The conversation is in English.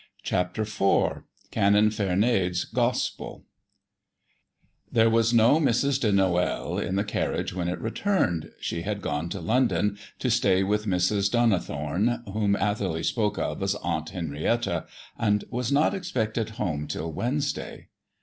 CHAPTER IV CANON VERNADE'S GOSPEL There was no Mrs. de Noël in the carriage when it returned; she had gone to London to stay with Mrs. Donnithorne, whom Atherley spoke of as Aunt Henrietta, and was not expected home till Wednesday.